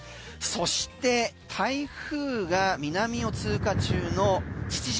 そして台風が南を通過中の父島。